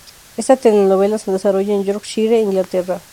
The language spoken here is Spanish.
Esta telenovela se desarrolla en Yorkshire, Inglaterra.